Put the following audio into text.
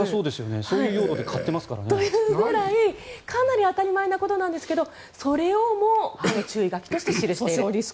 そういう用途で買ってますからね。というくらいかなり当たり前のことなんですがそれをも注意書きとして記している。